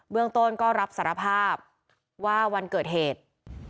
เรื่องต้นก็รับสารภาพว่าวันเกิดเหตุ